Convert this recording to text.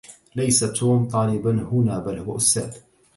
ليس توم طالبًا هنا، بل هو أستاذ.